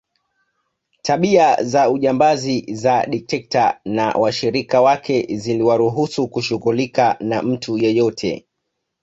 Tabia za ujambazi za dikteta na washirika wake ziliwaruhusu kushughulika na mtu yeyote